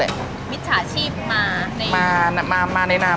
แล้วค่าช่าวค่าย